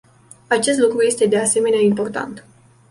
Acest lucru este de asemenea important.